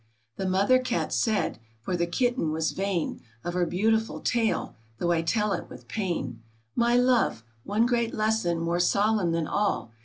The Mother Cat said, (for the Kitten was vain Of her beautiful tail, though I tell it with pain,) " My love ! one great lesson more solemn than all